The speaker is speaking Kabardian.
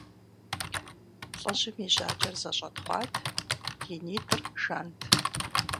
ЛӀыжьым и жьакӀэр зэщӀэтхъуат, и нитӀыр жант.